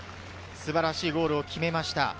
素晴らしいゴールを決めました。